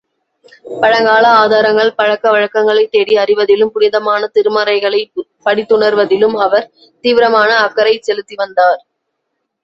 பழங்கால ஆதாரங்கள், பழக்க வழக்கங்களைத் தேடி அறிவதிலும், புனிதமான திருமறைகளைப் படித்துணர்வதிலும், அவர் தீவிரமான அக்கறைச் செலுத்திவந்தார்.